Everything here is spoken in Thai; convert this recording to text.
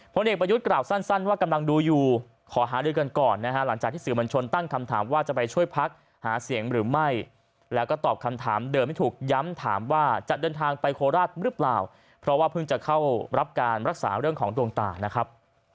เพราะว่าเพิ่งจะเข้ารับการรักษาเรื่องของตรงต่างนะครับ